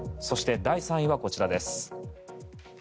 そして第３位は、こちらです。